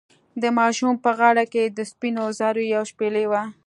د ماشوم په غاړه کې د سپینو زرو یوه شپیلۍ وه.